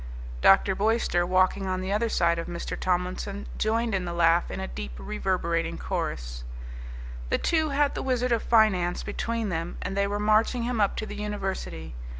Dr. Boyster, walking on the other side of Mr. Tomlinson, joined in the laugh in a deep, reverberating chorus. The two had the Wizard of Finance between them, and they were marching him up to the University.